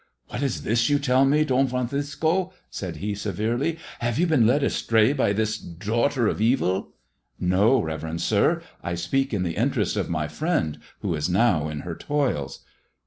" What is this you tell me, Don Francisco 1 " said he severely. "Have you been led astray by this daughter of evil 1 "" No, reverend sir. I speak in the interest of my friend, who is now in her toils."